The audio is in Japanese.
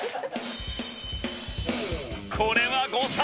これは誤算！